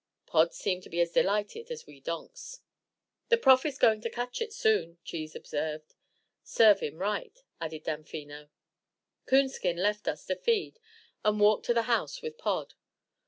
Pod seemed to be as delighted as we donks. "The Prof is going to catch it soon," Cheese observed. "Serve him right," added Damfino. Coonskin left us to feed and walked to the house with Pod.